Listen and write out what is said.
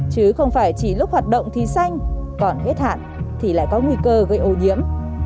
chứ không phải chỉ lúc hoạt động thì xanh còn hết hạn thì lại có nguy cơ gây ô nhiễm